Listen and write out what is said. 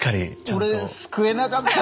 俺救えなかった。